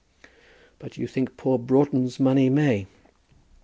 "But you think poor Broughton's money may?"